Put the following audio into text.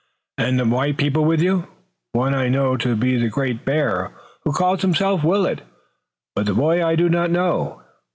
"And the white people with you? One I know to be the Great Bear who calls himself Willet, but the boy I know not."